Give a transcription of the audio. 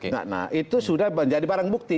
nah itu sudah menjadi barang bukti